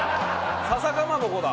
笹かまぼこだ。